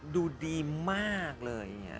ดูดีมากเลย